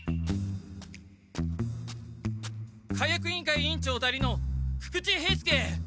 火薬委員会委員長代理の久々知兵助！